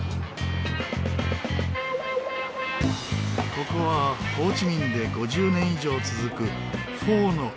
ここはホーチミンで５０年以上続くフォーの人気店。